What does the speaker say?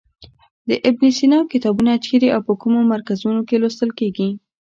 د ابن سینا کتابونه چیرې او په کومو مرکزونو کې لوستل کیږي.